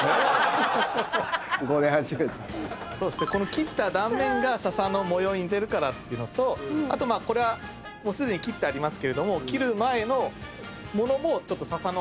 切った断面が笹の模様に似てるからってのとあとこれはすでに切ってありますけども切る前の物もちょっと笹の葉の形に似てる。